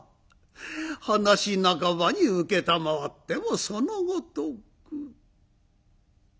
話半ばに承ってもそのごとく。